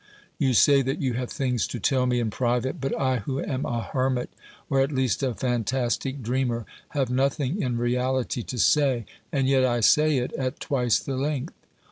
You say that you have things to tell me in private, but I who am a hermit, or at least a fantastic dreamer, have nothing in reality to say, and yet I say it at twice the length.